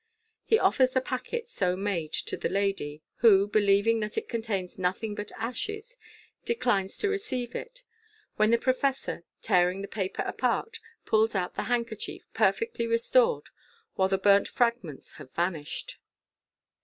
He offers the packet so made to the lady, who, believing that it contains nothing but ashes, declines to receive it, when the professor, tearing the paper apart, pulls out the handkerchief perfectly restored, while the burnt fragments have vanished.